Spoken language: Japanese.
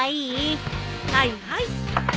はいはい。